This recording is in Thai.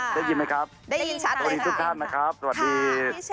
ได้ยินไหมครับสวัสดี